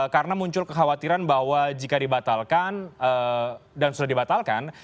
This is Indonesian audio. karena muncul kekhawatiran bahwa jika dibatalkan dan sudah dibatalkan